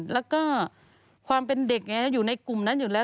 แล้วก็ความเป็นเด็กอยู่ในกลุ่มนั้นอยู่แล้ว